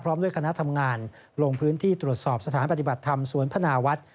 ด้วยคณะทำงานลงพื้นที่ตรวจสอบสถานปฏิบัติธรรมสวนพนาวัฒน์